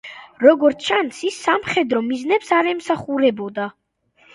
როგორც ჩანს, ის სამხედრო მიზნებს არ ემსახურებოდა.